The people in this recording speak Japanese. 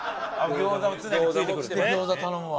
餃子頼むわ。